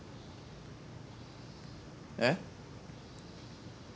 えっ？